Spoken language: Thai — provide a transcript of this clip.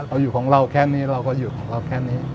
เราอยู่ของเราแค่นี้เราก็อยู่ของเราแค่นี้